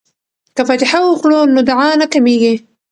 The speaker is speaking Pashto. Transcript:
که فاتحه وکړو نو دعا نه کمیږي.